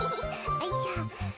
よいしょ。